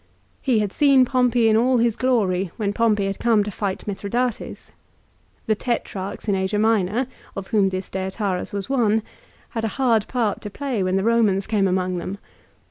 He had seen Pompey in all his glory when Pompey had come to fight Mithridates. The Tetrachs in Asia Minor, of whom this Deiotarus was one, had a hard part to play when the Komans came among them.